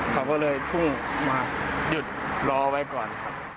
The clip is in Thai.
เขาก็เลยพุ่งมาหยุดรอไว้ก่อนครับ